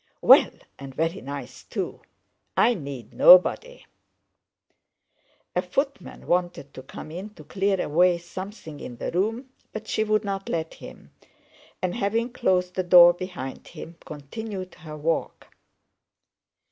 "Well, and very nice too! I need nobody." A footman wanted to come in to clear away something in the room but she would not let him, and having closed the door behind him continued her walk.